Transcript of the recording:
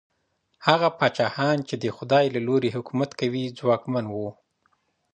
هغه پاچاهان چي د خدای له لورې حکومت کوي، ځواکمن وو.